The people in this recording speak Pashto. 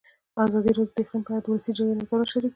ازادي راډیو د اقلیم په اړه د ولسي جرګې نظرونه شریک کړي.